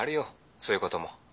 そういうことも。